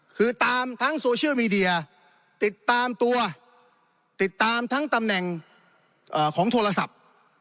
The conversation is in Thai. คือตามทั้งโซเชียลมีเดียติดตามตัวติดตามทั้งตำแหน่งของโทรศัพท์